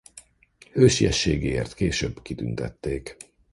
Hősiességéért később kitüntették.